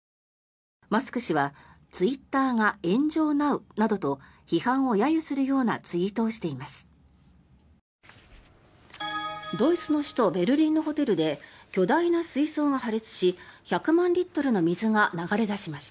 マスク氏はツイッターが炎上なうなどと批判を揶揄するようなツイートをしています。